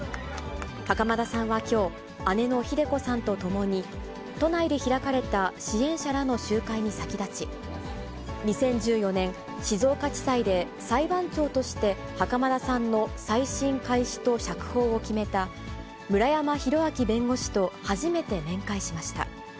袴田さんはきょう、姉のひで子さんとともに、都内で開かれた支援者らの集会に先立ち、２０１４年、静岡地裁で、裁判長として、袴田さんの再審開始と釈放を決めた村山浩昭弁護士と初めて面会しました。